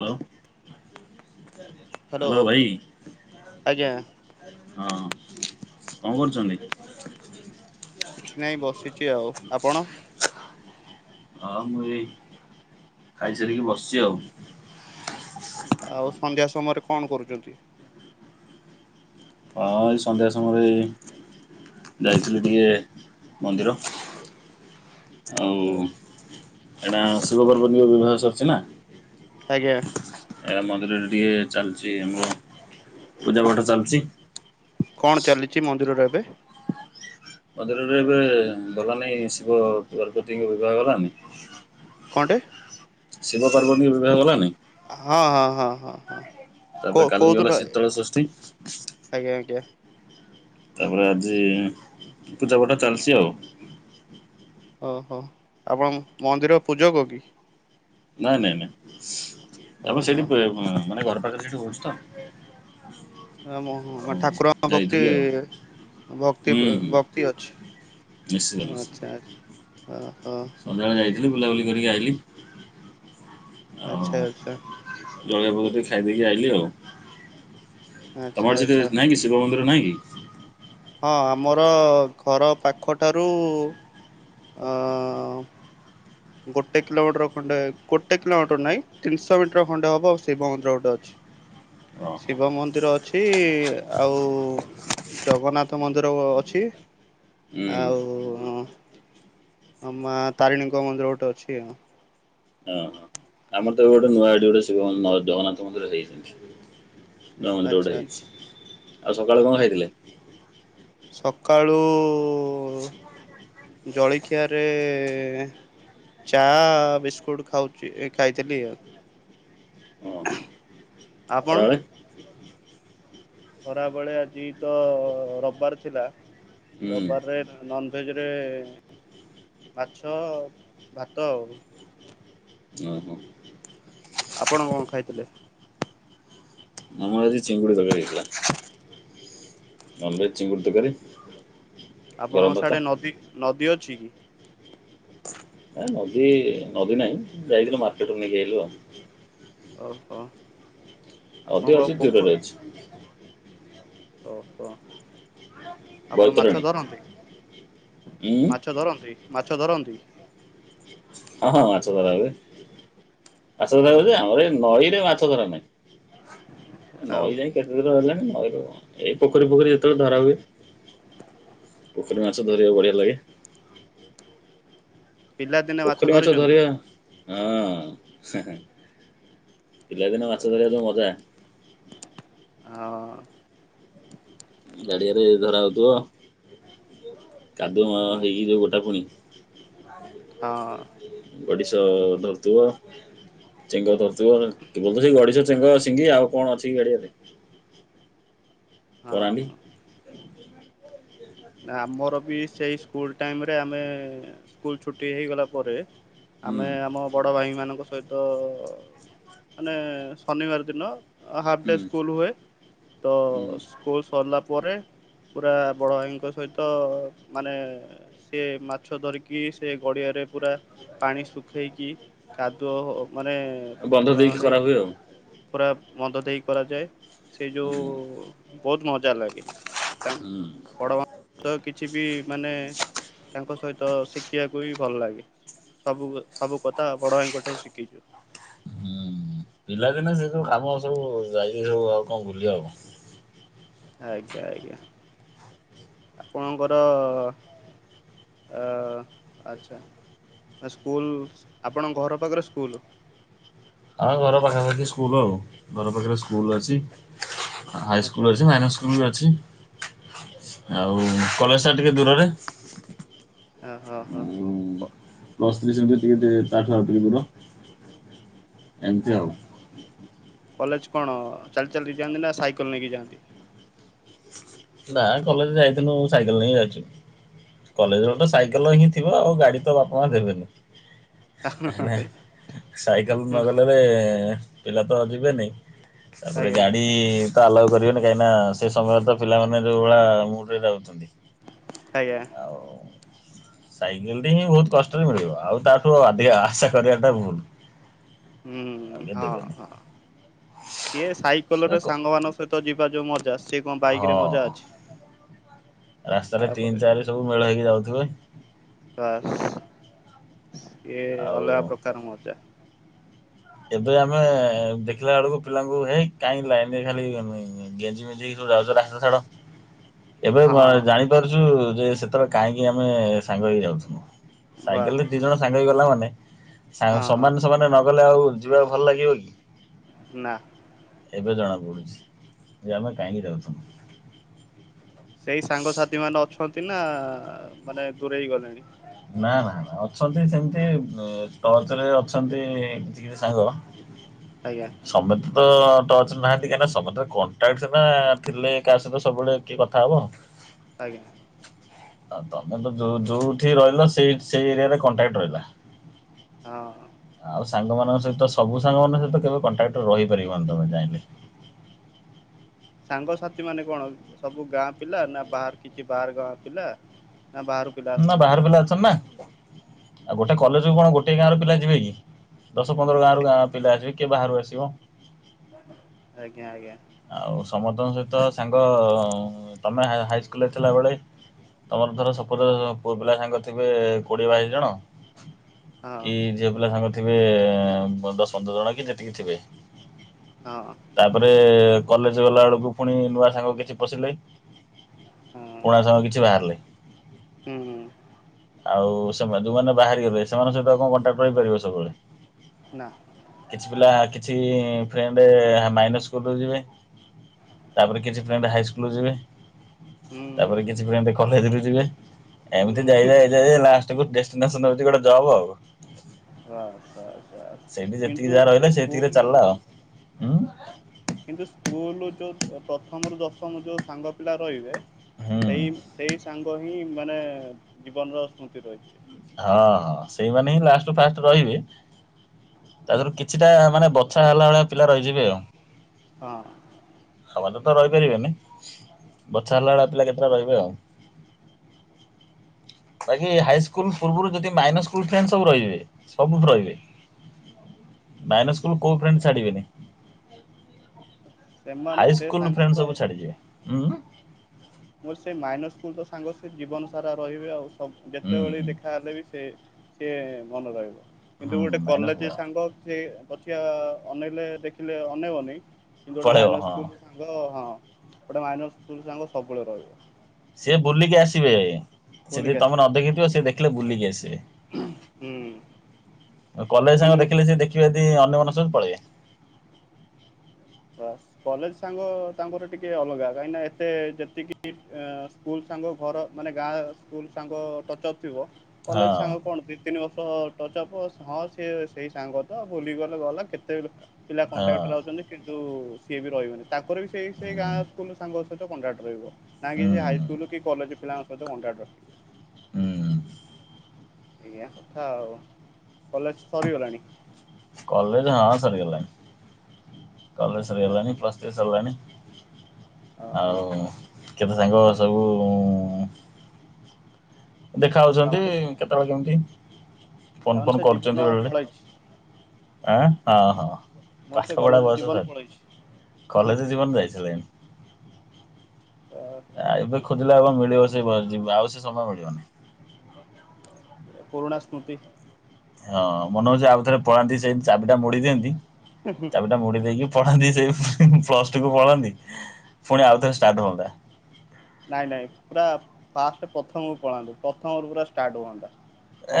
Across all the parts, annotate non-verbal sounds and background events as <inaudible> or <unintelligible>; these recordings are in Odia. <unintelligible> ହ୍ୟାଲୋ ହାଲୋ ଭାଇ। ଆଜ୍ଞା ହଁ କଣ କରୁଛନ୍ତି? କିଛି ନାହିଁ ବସିଛି ଆଉ ଆପଣ। ହଁ ମୁଁ ଏଇ ଖାଇସାରିକି ବସିଛି ଆଉ। ଆଉ ସନ୍ଧ୍ୟା ସମୟରେ କଣ କରୁଛନ୍ତି? ହଁ ଏଇ ସନ୍ଧ୍ୟା ସମୟରେ ଏଇ। ଯାଇଥିଲି ଟିକେ ମନ୍ଦିର। ଆଉ ଏଇନା ଶିବ ପାର୍ବତୀ ଙ୍କ ବିବାହ ସରିଛି ନା। ଆଜ୍ଞା। ଏ ମନ୍ଦିରରେ ଟିକେ ଚାଲିଛି ଆମର ପୂଜା ପାଠ ଚାଲିଛି। କଣ ଚାଲିଛି ମନ୍ଦିରରେ ଏବେ? ମନ୍ଦିରରେ ଏବେ ଗଲା ନାଇ ଶିବ ପାର୍ବତୀଙ୍କ ବିବାହ ଗଲାନି। କଣଟେ? ଶିବ ପାର୍ବତୀ ଙ୍କ ବିବାହ ଗଲାନି। ହଁ ହଁ ହଁ ହଁ ହଁ। କୋ ତାପରେ କାଲି କୋଉଦିନ ଗଲା ଶୀତଳ ଷଷ୍ଠୀ। ଆଜ୍ଞା, ଆଜ୍ଞା। ତା'ପରେ ଆଜିଁ ପୂଜାପାଠ ଚାଲିଚି ଆଉ। ଓହୋ, ଆପଣ ମନ୍ଦିର ପୂଜକ କି? ନାଇଁ, ନାଇଁ, ନାଇଁ, ଆପଣ ଓହୋ ସେଇଠି ପେ ମାନେ ଘର ପାଖେରେ ସେଠି ହଉଛି ତ? ଆମ ହଁ, ମା ଆଉ ଠାକୁରଙ୍କ ଯାଇଥିଲି ଆଉ ପ୍ରତି-ଇ ଭକ୍ତି ହୁଁ ପ ହୁଁ ଭକ୍ତି ଅଛି। ନିଶ୍ଚିତ ନିଶ୍ଚିତ ଆଚ୍ଛା, ଆଚ୍ଛା, ହ ହ, ହଁ। ଲି ବୁଲାବୁଲି କରିକି ଆଇଲି। ଆଉ ଆଚ୍ଛା, ଆଚ୍ଛା। ଜଳଖିଆ ଭୋଗ ଟିକେ ଖାଇଦେଇକି ଆଇଲି ଆଉ। ଆଚ୍ଛା ତମ ଆଡେ ସେଠି ଆଚ୍ଛା। ନାହିଁ କି ସି ଶିବ ମନ୍ଦିର ନାହିଁ କି? ହଁ, ଆମର ଘର ପାଖଠାରୁ-ରୁ, ଅଁ ଗୋଟେ କିଲୋମିଟର ଖଣ୍ଡେ, ଗୋଟେ କିଲୋମିଟର ନାଇଁ ତିନିଶ ମିଟର ଖଣ୍ଡେ ହବ, ଶିବ ମନ୍ଦିର ଗୋଟେ ଅଛି। ହ ଶିବ ମନ୍ଦିର ଅଛି-ଇ, ଆଉ-ଉ ଜଗନ୍ନାଥ ମନ୍ଦିର ଅଛି। ହୁଁ ଆଉ-ଉଁ ଆ, ମା ତାରିଣୀଙ୍କ ମନ୍ଦିର ଗୋଟେ ଅଛି ଆଉ। ଉଁ। ଆମର ତ ଏବେ ଗୋଡ଼େ ନୂଆଁ ଆଇ ଡି ଗୋଡ଼େ ସେ <unintelligible> ନ ଜଗନ୍ନାଥ ମନ୍ଦିର ହେଇଛି। ନୂଆଁ ମନ୍ଦିର ଆଚ୍ଛା ଗୋଟେ ଆଚ୍ଛା। ହେଇଛି। ଆଉ ସକାଳେୁ କଣ ଖାଇଥିଲେ? ସକାଳୁ-ଉ <inaudible> ଜଳିଖିଆରେ-ଏଁହଃ ଚା'-ଆ ବିିସ୍କକୁଟ୍ ଖାଉଛି, ଏ ଖାଇଥିଲି ଆଉ। ଅ, ହଁ। ଆପଣ? ଖରାବଳେ ଆଜି ତ, ରବ୍ ବାର ଥିଲା। ହୁଁ ରବ୍ ବାରରେ, ନନ୍ ଭେଜରେ-ଏ ମାଛ-ଅ, ଭାତ ଆଉ। ଅଁ ହ। ଆପଣ କଣ ଖାଇଥିଲେ? ଆମର ଆଜି ଚିଙ୍ଗୁଡ଼ି ତକାରୀ ହେଇଥିଲା। ନନ୍ ଭେଜ୍ ଚିଙ୍ଗୁଡ଼ ତକାରୀ ଆପଣଙ୍କ ସାଡେ ନଦୀ, ନଦୀ ଅଛି କି? ଏ ନଦୀ, ନଦୀ ନାହିଁ, ଯାଇଥିଲୁ ମାର୍କେଟରୁୁ ନେଇକି ଆଇଲୁ ଆଉ? ଓହୋ! ନଦୀ ଆପଣଙ୍କ ଅଛି, ପୋଖ ଦୂରରେ ଅଛି। ଓହୋ! ଆପଣ ମାଛ ବୈତରଣୀ ଧରନ୍ତି? ଉଁ ମାଛ ଧରନ୍ତି, ମାଛ ଧରନ୍ତି? ହଁ, ହଁ, ମାଛ ଧରା ହୁଏ। ମାଛ ଧରା ହୁଏ ଯେ, ଓହୋ ଆମର ଏଇ ନଈରେ ମାଛ ଧରା ନାହିଁ। ଆଉ ନଈ ଯାଇ କେତେ ଦୂର ହେଲାଣି, ନଈରୁ କଣ? ଏଇ ପୋଖରୀ ଫୋଖରୀ ଯେତେବେଳେ ଧରା ହୁଏ। ପୋଖରୀ ମାଛ ଧରିଆକୁ ବଢିଆ ଲାଗେ। ପିଲାଦିନେ ପୋଖରୀ ମାଛ ଧରିଛନ୍ତି? ଧରିବା ହଁ, ହେଁ, ହେଁ। ପିଲଦିନେ ମାଛ ଧରିବା ଜଉ ମଜା! ଆ ଅ। ଗାଡିଆରେ ଧରା ହଉଥିବ କାଦୁଅ ହଁ ହେଇକି ଯୋଉ ଗୋଟା ପୁଣି। ହଁ। ଗଡ଼ିଶ ଧରୁଥିବ ଚେଙ୍ଗ ଧରଥିବ କି ତ ସେଇ ଗଡିଶ ଚେଙ୍ଗ ସିଙ୍ଗି ଆଉ କଣ ଅଛି ଗାଡିଆରେ? ହଁ। କରାଣ୍ଡି ନା ଆମର ବି ସେଇ ସ୍କୁଲ ଟାଇମରେ ଆମେ ସ୍କୁଲ ଛୁଟି ହେଇଗଲା ପରେ ହୁଁ ଆମେ ଆମ ବଡ଼ ଭାଇମାନଙ୍କ ସହିତ ମାନେ ଶନିବାର ଦିନ ହାଫ୍ ହୁଁ ଡେ ସ୍କୁଲ ହୁଏ। ତ ହୁଁ ସ୍କୁଲ ସରିଲା ପରେ ପୁରା ବଡ଼ ଭାଇ ତଙ୍କ ସହିତ ମାନେ ସେ ମାଛ ଧରିକି ସେ ଗଡ଼ିଆରେ ପୁରା ପାଣି ଶୁଖେଇକି କାଦୁଅ ମାନେ ବନ୍ଧ ଅ ଦେଇକି ହେଇକି କରାହୁଏ ଆଉ। ପୁରା ବନ୍ଧ ଦେଇ କରାଯାଏ ସେଇ ହୁଁ ଯେଉଁ ବହୁତ ମଜା ଲାଗେ। ତା ହୁଁ। ପଡ଼ ମା। ତ କିଛି ବି ମାନେ ତାଙ୍କ ସହିତ ଶିଖିବାକୁ ବି ଭଲ ଲାଗେ। ସବୁ ସବୁ କଥା ବଡ଼ ଭାଇଙ୍କଠାରୁ ଶିଖିଛୁ। ହୁଁ ପିଲା ଦିନେ ସେ ଯବୁ କାମ ସବୁ ଯାଇକି ସବୁ ଆଉ କଣ ଭୁଲି ହବ। ଆଜ୍ଞା ଆଜ୍ଞା ଆପଣଙ୍କର ଆ ଆଚ୍ଛା ସ୍କୁଲ ଆପଣଙ୍କ ଘର ପାଖରେ ସ୍କୁଲ? ଆଁ ଘର ପାଖା ପାାଖି ସ୍କୁଲ ଆଉ ଘର ପାଖରେ ସ୍କୁଲ ଅଛି ହାଇ ଆଚ୍ଛା ସ୍କୁଲ ଅଛି ମାଇନାସ୍ ସ୍କୁଲ ଅଛି ଆଉ କଲେଜଟା ଟିକେ ଦୂରରେ। ଆ ହୋ ହୋ। ପ୍ଲସ୍ ଥ୍ରି ଯେମିତି ଟିକେ ଟ ତାଠୁ ଆଉ ଟିକେ ଦୁର ଏମିତି ଆଉ? କଲେଜ କଣ ଚାଲି ଚାଲିକି ଯାଆନ୍ତି ନା ସାଇକଲ ନେଇକି ଯାଆନ୍ତି? ନା କଲେଜ ଯାଇଥିଲୁ ସାଇକେଲ ନେଇ ଯାଇଛୁ? କଲେଜ ତ ସାଇକେଲ ହିଁ ଥିବ ଆଉ ଗାଡି ତ ବାପା ମା ଦେବେନି? ଆଜ୍ଞା କାହିଁ କି ନା ସାଇକେଲ ନ ଗଲେ ବେ ପିଲା ତ ଯିବେନି ତାପରେ ଗାଡି ତ ଆଲାଉ କରିବେନି କାହିଁକି ନା ସେ ସମୟରେ ତ ପିଲାମାନେ ଯୋଉ ଭଳିଆ ମୁଡରେ ଯାଉଛନ୍ତି। ଆଜ୍ଞା। ଆଉ। ସାଇକେଲ ଟି ହିଁ ବହୁତ କଷ୍ଟରେ ମିଳିବ ଆଉ ତାଠୁ ଅଧିକା ଆଶା କରିବାଟା ଭୁଲ। ହୁଁ ଆଉ କିଏ ହଁ ଦେବେନି ହଁ ସିଏ ସେ ସାଇକେଲରେ କ ସାଙ୍ଗ ମାନଙ୍କ ସହିତ ଯିବା ଯୋଉ ମଜା ସିଏ କଣ ବାଇକ ରେ ମଜା ହଁ ଅଛି ରାସ୍ତାରେ ତିନି ତାପରେ? ଚାରି ସବୁ ମେଳ ହୋଇକି ଯାଉଥିବେ। ବାସ୍ ସିଏ ଆଉ ଅଲଗା ପ୍ରକାର ମଜା। ଏବେ ଆମେ ଦେଖିଲା ବେଳକୁ ପିଲାଙ୍କୁ ହେଇ କାହିଁ ଲାଇନରେ ଖାଲି ଗେଞ୍ଜି ମିଞ୍ଜି ହେଇକି ସବୁ ଯାଉଛ ରାସ୍ତା ଛାଡ଼। ଏବେ ହଁ ଜାଣିପାରୁଛୁ ଯେ ସେତେବେଳେ କାହିଁକି ଆମେ ସାଙ୍ଗ ହେଇକି ଯାଉଥିନୁ। ସାଇକେଲରେ ବାସ୍ ଦି ଜଣ ସାଙ୍ଗ ହେଇ ଗଲା ମାନେ ସାଇ ହଁ ସମାନ ସମାନ ନଗଲେ ଆଉ ଯିବାକୁ ଭଲ ଲାଗିବ କି ନା। ଏବେ ଜଣାପଡ଼ୁଛି ଯେ ଆମେ କାହିଁକି ଯାଉଥୁନୁ? ସେଇ ସାଙ୍ଗସାଥି ମାନେ ଅଛନ୍ତି ନା ମାନେ ଦୂରେଇ ଗଲେଣି? ନା ନା ନା ଅଛନ୍ତି ସେମିତି ଟର୍ଚ ରେ ଅଛନ୍ତି ଜି ସାଙ୍ଗ ଆଜ୍ଞା। ସମେତ ତ ଟଚ୍ ନାହାନ୍ତି କାହିଁକି ନା ସମସ୍ତେ କଣ୍ଟାକ୍ଟ ସିନା ଥିଲେ କାହା ସହିତ ସବୁବେଳେ କିଏ କଥା ହବ? ଆଜ୍ଞା। ଆଉ ତମେ ତ ଯୋଉଠି ରହିଲ ସେଇ ସେଇ ଏରିଆରେ କଣ୍ଟାକ୍ଟ ରହିଲା। ହଁ। ଆଉ ସାଙ୍ଗମାନଙ୍କ ସହିତ ସବୁ ସାଙ୍ଗମାନଙ୍କ ସହିତ କେବେ କଣ୍ଟାକ୍ଟ ରହି ପାରିବନି ତମେ ଚାହିଁଲେ। ସାଙ୍ଗସାଥି ମାନେ କଣ ସବୁ ଗାଁ ପିଲା ନା ବାହାର କିଛି ବାହାର ଗାଁ ପିଲା ନା ବାହାର ନା ବାହାର ପିଲା ଅଛନ୍ତି ନାଁ ଗୋଟେ କଲେଜ କୁ କଣ ଗୋଟେ ଗାଁ ପିଲା ଯିବେ କି? ଦଶ ପନ୍ଦର ସେ ଗାଁରୁ ଗାଁ ପିଲା ଆସିକି କିଏ ବାହାରୁ ଆସିବ। ଆଜ୍ଞା ଆଜ୍ଞା। ଆଉ ସମସ୍ତଙ୍କ ସହିତ ସାଙ୍ଗ ତମେ ହାଇସ୍କୁଲରେ ଥିଲାବେଳେ ତମର ଧର ପୁଅ ପିଲା ସାଙ୍ଗ ଥିବେ କୋଡ଼ିଏ ବାଇଶି ଜଣ ହଁ କି ଝିଅ ପିଲା ସାଙ୍ଗ ଥିବେ ଦଶ ପନ୍ଦର ଜଣ କି ଯେତିକି ଥିବେ। ହଁ। ତାପରେ କଲେଜ ଗଲା ବେଳକୁ ପୁଣି ନୂଆ ସାଙ୍ଗ କିଛି ପଶିଲେ। ହଁ ପୁଣା ସାଙ୍ଗ କିଛି ବାହାରିଲେ। ହୁଁ ହୁଁ। ଆଉ ସେମାନେ ଯୋଉମାନେ ବାହାରି ଗଲେ ସେମାନଙ୍କ ସହ ଆଉ କଣ କଣ୍ଟାକ୍ଟ ରହିପାରିବ ସବୁବେଳେ? ନା। କିଛି ପିଲା କିଛି ଫ୍ରେଣ୍ଡ୍ ମାଇନସ୍ ସ୍କୁଲରୁ ଯିବେ। ତାପରେ କିଛି ଫ୍ରେଣ୍ଡ ହାଇସ୍କୁଲ ଯିବେ ହୁଁ ତାପରେ କିଛି ଫ୍ରେଣ୍ଡ କଲେଜରୁ ଯିବେ। ଏମିତି ହୁଁ ଯାଇ ହୁଁ ଯାଇ ଯାଇ ଲାଷ୍ଟ କୁ ଡେଷ୍ଟିନେସନ ହଉଛି ଗୋଟେ ଜବ୍ ଆଉ। ବାସ୍ ବାସ୍ ବାସ୍ ସେଇଠି ଯେତିକି କିନ୍ତୁ ଯାହା ରହିଲା ସେତିକିରେ ସ୍କୁଲ ଚାଲିଲା ଆଉ ଉଁ କିନ୍ତୁ ସ୍କୁଲୁ ଯେଉଁ ପ୍ରଥମରୁ ଦଶମ ଯୋଉ ସାଙ୍ଗ ପିଲା ରହିବେ ହୁଁ ସେଇ ସେଇ ସାଙ୍ଗ ହିଁ ମାନେ ଜୀବନର ସ୍ମୃତି ରହିଯିବେ। ହଁ ହଁ ସେଇମାନେ ହିଁ ଲାଷ୍ଟରୁ ଫାଷ୍ଟ ରହିବେ। ତା ଦେହରୁ କିଛିଟା ମାନେ ବଛା ହେଲା ଭଳିଆ ପିଲା ରହିଯିବେ ଆଉ। ହଁ। ସମତେ ତ ରହିପାରିବେନି ବଛା ହେଲା ଭଳିଆ ପିଲା କେତେଟା ରହିବେ ଆଉ। ବାକି କିନ୍ତୁ ହାଇ ସ୍କୁ ସ୍କୁଲ ପୂର୍ବରୁ ଯଦି ମାଇନସ୍ ସ୍କୁଲ ଫେଣ୍ଡ ସବୁ ରହିବେ ସବୁ ରହିବେ। ମାଇନସ୍ ସ୍କୁଲ୍ କୋଉ ଫ୍ରେଣ୍ଡ୍ ଛାଡ଼ିବେନି। ସେମାନେ ହାଇ ସେ ସ୍କୁଲ୍ ସାଙ୍ଗ ଫ୍ରେଣ୍ଡ୍ ସବୁ ତ ଛାଡ଼ି ଯିବେ ହୁଁ। ମୋର ସେ ମାଇନସ୍ ସ୍କୁଲର ସାଙ୍ଗ ସେ ଜୀବନ ସାରା ରହିବେ ଆଉ। ସ ହୁଁ ଯେତେବେଳେ ଦେଖା ହେଲେ ବି ସେ ସିଏ ମନେ ରହିବ କିନ୍ତୁ ହୁଁ ଗୋଟେ ମାଇନର କଲେଜ ସ୍କୁଲ ସାଙ୍ଗ ସେ ପଛିଆ ଅନେଇଲେ ଦେଖିଲେ ଅନେଇବନି କିନ୍ତୁ ଗୋଟେ ପଳେଇବ ମାଇନସ୍ ହଁ। ସ୍କୁଲ୍ ସାଙ୍ଗ ହଁ ଗୋଟେ ମାଇନସ୍ ସ୍କୁଲ୍ ସାଙ୍ଗ ସବୁବେଳେ ରହିବ। ସିଏ ବୁଲିକି ଆସିବେ ସେଦି ଭୁଲିକି ତମେ ଆସିବେ ନଦେଖିଥିବ ସିଏ ଦେଖିଲେ ବୁଲିକି ଆସିବେ। ହୁଁ କଲେଜ ସାଙ୍ଗ କିନ୍ତୁ ଦେଖିଲେ ସ ଦେଖିବେ ଯଦି ଅନ୍ୟମନସ୍କ ସହିତ ପଳେଇବେ। ହ କଲେଜ ସାଙ୍ଗ ତାଙ୍କର ଟିକେ ଅଲଗା କାହିଁକି ନା ଏତେ ଯେତିକି ଆଁ ସ୍କୁଲ୍ ସାଙ୍ଗ ଘର ମାନେ ଗାଁ ସ୍କୁଲ ସାଙ୍ଗ ଟଚ୍ ଅପ୍ ଥିବ କଲେଜ ହଁ ସାଙ୍ଗ କଣ ଦି ତିନି ବର୍ଷ ଟଚ୍ ଅପ୍ ହଁ ସିଏ ସେଇ ସାଙ୍ଗ ତ ବୁଲିକି ଗଲେ ଗଲା କେତେ ପିଲା ହଁ। କଣ୍ଟାକ୍ଟର ଅଛନ୍ତି। କିନ୍ତୁ ସିଏ ବି ରହିବନି ତାଙ୍କର ବି ସେ ସେଇ ହୁଁ ଗାଁ ସ୍କୁଲ ସାଙ୍ଗ ସହିତ କଣ୍ଟ୍ରାକ୍ଟ ରହିବ। ନା ହୁଁ କି ସେ ହାଇସ୍କୁଲ କି କଲେଜ୍ ପିଲାଙ୍କ ସହିତ କଣ୍ଟାକଟ। ହଁ। ଏଇଆ କଥା ଆଉ କଲେଜ୍ ସରିଗଲାଣି? କଲେଜ୍ ହଁ ସଗଲା କଲେଜ୍ ଆଚ୍ଛା ସଗଲା ନି ପଲସ୍ ସେ ସରିଲାଣିି ଓହୋ ହୋ ଆଉ କେତେ ସାଙ୍ଗ ସବୁ ଦେଖା ହଉଛନ୍ତି ତାମାନେ କେତେବେଳେ କେମିତି ଫୋନ୍ ତାମାନେ ଫୋନ୍ ସେ ଜୀବନ କରୁଚନ୍ତି ବେଳେଳେ। ପଳେଇଛି ଆଁ ହଁ ହଁ ମୋର ସେ ପାଠ ପଢ଼ା କଲେଜ ବୟସ ଜୀବନ ସାର୍ ପଳେଇଛି। କଲେଜ୍ ଯିବନ ଯାଇଥିଲେଣି। ଆ ଓହୋ ଏବେ ହୋ ଖୋଜିଲେ ଆଉ କଣ ମିଳିବ ସେ ବ ଯିବା ଆଉ ସେ ସମୟ ମିଳିବନି। ପୁରୁଣା ସ୍ମୃତି। ହଁ ମନେ ହଉଛି ଆଉ ଥରେ ପଳାନ୍ତି ସେଇ ଚାବିଟା ମୋଡି ଦିଅନ୍ତି ଚାବିଟା ମୋଡି ଦେଇକି ପଢାନ୍ତି ସେଇ ପ୍ଲସ୍ ଟୁ କୁ ପଳାନ୍ତି ପୁଣି ଆଉ ଥରେ ଷ୍ଟାର୍ଟ ହୁଅନ୍ତା। ନାଇଁ ନାଇଁ ପୁରା ଫାଷ୍ଟେ ପ୍ରଥମକୁ ପଳାନ୍ତେ ପ୍ରଥମରୁ ପୁରା ଷ୍ଟାର୍ଟ ହୁଅନ୍ତା।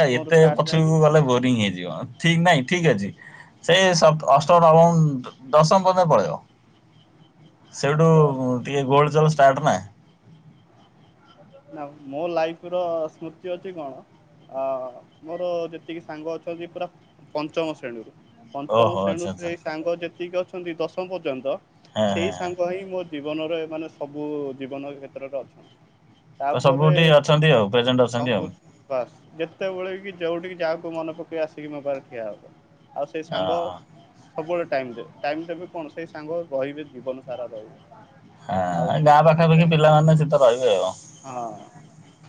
ଏ ଏତେ ଷ୍ଟାର୍ଟ ଯାଇକି ପଛରକୁ ଗଲେ ବୋରିଂ ହେଇଯିବ। ଠିକ୍ ନାଇଁ ଠିକ୍ ଅଛି ସେଇ ଅଷ୍ଟମ ନବମ ଦଶମ ପର୍ଯ୍ୟନ୍ତ ପଳେଇବ। ସେଇଠୁ? ତ। ଟିକେ ଗୋ୍ ଡ ଜବ ଷ୍ଟାର୍ଟ ମାଁ ଏଁ। ନା ମୋ ଲାଇଫ୍ ର ସ୍ମୃତି ଅଛି କଣ? ଅ ମୋର ଯେତିକି ସାଙ୍ଗ ଅଛନ୍ତି ପୁରା ପଞ୍ଚମ ଶ୍ରେଣୀରୁ। ପଞ୍ଚମ ଓହୋ ଆଚ୍ଛା ଶ୍ରେଣୀରୁ ଆଚ୍ଛା ସେଇ ସାଙ୍ଗ ଯେତିକି ଅଛନ୍ତି ଦଶମ ପର୍ଯ୍ୟନ୍ତ ହଁ ହଁ ସେଇ ହଁ। ସାଙ୍ଗ ହିଁ ମୋର୍ ଜୀବନରେ ମାନେ ସବୁ ଜୀବନ କ୍ଷେତ୍ରରେ ଅଛନ୍ତି। ତ ତାପରେ ସବୁଠି ଅଛନ୍ତି ଆଉ ପ୍ରେଜେଣ୍ଟ କ ଅଛନ୍ତି ଆଉ କୁ ନୁ। ବାସ୍ ଯେତେବେଳେ କି ଯୋଉଠିକି ଯାହାକୁ ମନେ ପକେଇ ଆସିକି ମୋ ପାରେ ଠିଆ ହବ। ଆଉ ସେଇ ସାଙ୍ଗ ଓହୋ। ସବୁବେଳେ ଟାଇମ୍ ଦେବେ ଟାଇମ୍ ଦେବେ କଣ ସେଇ ସାଙ୍ଗ ରହିବେ ଜୀବନ ସାରା ରହିବେ। ଆଉ ହଁ ଗାଁ ସେ ପାଖାପାଖି ପିଲାମାନେ ସେତ ରହିବେ ଆଉ। ହଁ।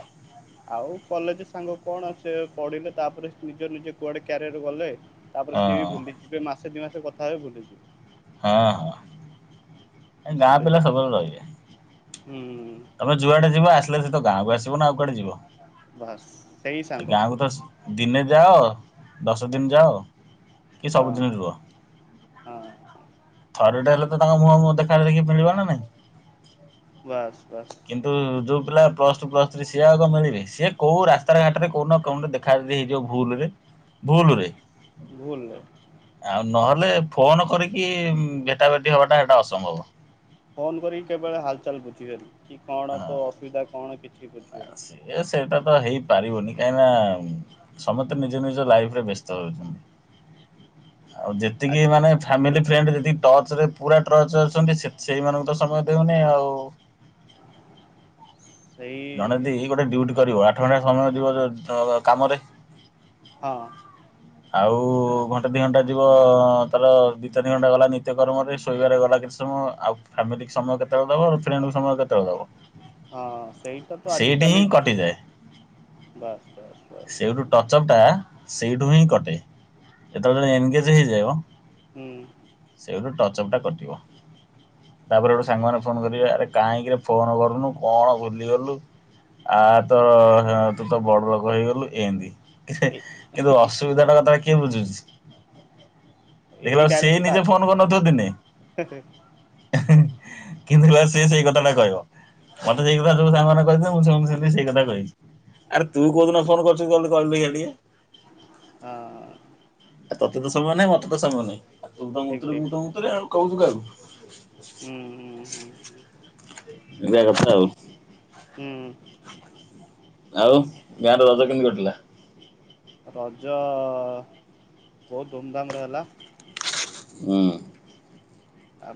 <inaudible> ଆଉ କଲେଜ୍ ସାଙ୍ଗ କଣ ସେ ପଢିଲେ ତାପରେ ନିଜେ ନିଜେ କୁଆଡେ କ୍ୟାରିୟର ଗଲେ। ତାପରେ ହଁ ସିଏ ବି ଭୁଲିଯିବେ ମାସେ ଦି ମାସେ କଥା ହବେ ଭୁଲିଯିବେ। ହଁ ହଁ। ଏ ଗାଁ ପିଲା ବୁଝିଲେ ସବୁବେଳେ ରହିବେ। ହୁଁ। ତମେ ଯୁଆଡେ ଯିବ ଆସିଲେ ସେ ତ ଗାଁକୁ ଆସିବ ନା ଆଉ କୁଆଡେ ଯିବ ବାସ୍ ସେଇ ସେ ସାଙ୍ଗ ଗାଁକୁ ତ ଦିନେ ଯାଅ ଦଶ ଦିନି ଯାଅ କି ହଁ ସବୁଦିନେ ରୁହ। ହଁ। ଥରେ ଟେ ହେଲେ ତ ତାଙ୍କ ମୁହଁ ମୁହଁ ଦେଖା ଦେଖି ମିଳିବ ନା ନାହିଁ। ବାସେ୍ ବାସେ୍। କିନ୍ତୁ ଯୋଉ ପିଲା ପ୍ଲସ୍ ଟୁ ପ୍ଲସ୍ ଥ୍ରୀ ସିଏ ଆଉ କଣ ମାନିବେ ସିଏ କୋଉ ରାସ୍ତାର ଘାଟରେ କଉ ନା କଉଠି ଦେ ଖାଇ ଦେଇଚି ଏଇଯୋଉ ଭୁଲରେ ଭୁଲରେ। ଭୁଲେ। ଆଉ ନହେଲେ ଫୋନ୍ କରିକି ଭେଟା ଭେଟି ହବାଟା ଏଟା ଅସମ୍ଭବ। ଫୋନ୍ କରିକି କେବେଳେ ହାଲ୍ ଚାଲ୍ ବୁଝିବେନି କି କଣ ତୋ ଅସୁବିଧା କଣ କିଛି ବୁଝିବେନି। ଇଏ ସେଇଟା ତ ହେଇପାରିବନି କାହିଁକି ନା ସମସ୍ତେ ନିଜ ନିଜ ଲାଇଫ୍ ରେ ବ୍ୟସ୍ତ ରହୁଚନ୍ତି। ଆଉ ଆ ଯେତିକି ମାନେ ଫାମିଲି ଫ୍ରେଣ୍ଡେ ଯେତିକି ଟଚ୍ ରେ ପୁରା ଟ୍ରଚ ଅଛନ୍ତି ସେ ସେଇମାନଙ୍କୁ ତ ସମୟ ଦଉନି ଆଉ। ସେଇ ଜଣେ ଦି ଗୋଟେ ଡ୍ୟୁଟି କରିବ ଆଠ ଘଣ୍ଟା ସମୟ ଯିବ ଦ କାମରେ। ହଁ। ଆଉ ତ ଘଣ୍ଟା ଦି ଘଣ୍ଟା ଯିବ ତାର ଦି ଚାରି ଘଣ୍ଟା ଗଲା ନିତ୍ୟକର୍ମରେ ଶୋଇବାରେ ଗଲା କି ସମୟ ଆଉ ଫାମିଲିକି ସମୟ କେତେବେଳେ ଦବ ଆଉ ଫ୍ରେଣ୍ଡ କୁ ସମୟ କେତେବେଳେ ଦବ। ହଁ ସେଇଟା ତ ସେଇଠି ହିଁ ଆଜିକାଲି ଦିନ କଟିଯାଏ। ବାସ୍ ବାସ୍। ବାସ୍ ସେଇଠୁ ଟଚଅପ୍ ଟା ସେଇଠୁ ହିଁ କଟେ। ଯେତେବେଳେ ଏନଗେଜ ହେଇଯିବ ହୁଁ। ସେଇଠୁ ଟଚ ଅପ୍ ଟା କଟିବ। ତାପରେ ହେଠୁ ସାଙ୍ଗମାନେ ଫୋନ କରିବେ ଆରେ କାହିଁକିରେ ଫୋନ କରୁନୁ କଣ ଭୁଲିଗଲୁ। ଆ ତ ତୁ ତ ବଡ ଲୋକ ହେଇଗଲୁ। ଏମତି। ଏ କିନ୍ତୁ ଅସୁବିଧା ଟା କଥାଟା କିଏ ବୁଝୁଛି। ଏଇ ଦେଖିଲାଳୁ ସେଇ ଡାଇଲଗ ଟା ନିଜେ ଆଗେ ଫୋନ କରିନଥିବ ଦିନେ। କିନ୍ତୁ ଦେଖିଲାବେଳୁ ସେ ସେଇ କଥା ଟା କହିବ। ମତେ ସେଇ କଥା ସବୁ ସାଙ୍ଗମାନେ କହିଥିଲେ ମୁଁ ସେମିତି ସେମିତି ସେଇ କଥା କହିବି ଆରେ ତୁ କହୁଥିଲୁ ଫୋନ କରିଚୁ କହିଲୁ ଦେଖିଆ ଟିକେ। ହଁ। ତୋତେ ତ ସମୟ ନାହିଁ ମତେ ତ ସମୟ ନାହି ଆଉ ତୁ ତ ଠିକ୍ ମୁତୁରି ମୁଁ ଠିକ୍ ତ ଠିକ୍ ମୁତୁରି ଆଉ କହୁଛୁ କାହାକୁ। ହୁଁ ହୁଁ ହୁଁ। ଏନ୍ତିଆ କଥା ଆଉ। ହୁଁ। ଆଉ ଗାଁ ର ରଜ କେମିତି କଟିଲା? ରଜ ବହୁତ ଧୁମଧାମରେ ହେଲା। ହଁ। ଆଉ